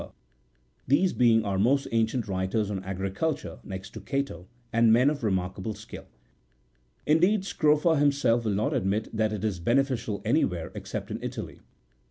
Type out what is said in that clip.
held by Scrofa, these being our most ancient writers on agri culture next to Cato, and men of remarkable skill. Indeed, Scrofa himself will not admit that it is beneficial anywhere except in Italy.